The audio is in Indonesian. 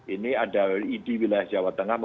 ini ada idi wilayah jawa tengah